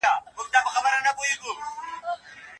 د ږیري خاوند ولي ډنډ ته د چاڼ ماشین وړی و؟